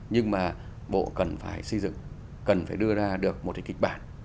nhưng mà bộ cần phải xây dựng cần phải đưa ra được một cái kịch bản